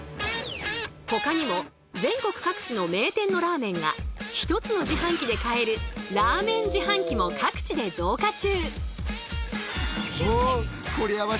ほかにも全国各地の名店のラーメンが１つの自販機で買えるラーメン自販機も各地で増加中。